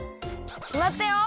きまったよ！